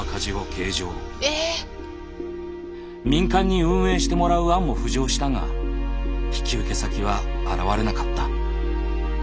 民間に運営してもらう案も浮上したが引き受け先は現れなかった。